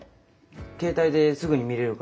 携帯ですぐに見れるから。